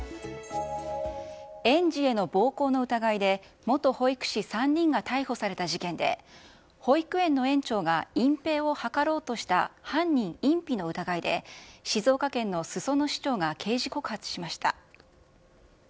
園児への暴行の疑いで、元保育士３人が逮捕された事件で、保育園の園長が隠蔽を図ろうとした犯人隠避の疑いで、静岡県の裾野市長が刑事告発しました。